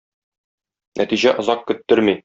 Нәтиҗә озак көттерми.